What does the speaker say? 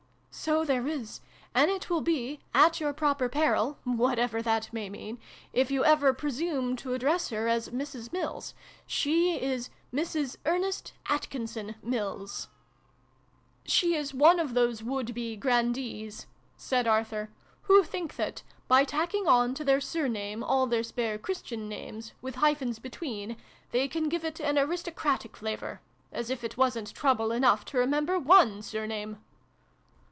" So there is : and it will be ' at your proper peril ' (whatever that may mean) if you ever presume to address her as ' Mrs. Mills.' She is 'Mrs. Ernest Atkinson Mills'! 160 SYLVIE AND BRUNO CONCLUDED. " She is one of those would be grandees," said Arthur, " who think that, by tacking on to their surname all their spare Christian names, with hyphens between, they can give it an aristocratic flavour. As if it wasn't trouble enough to remember one surname